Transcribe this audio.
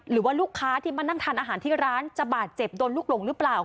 หรือว่าลูกค้าที่มานั่งทานอาหารที่ร้านจะบาดเจ็บโดนลูกหลงหรือเปล่า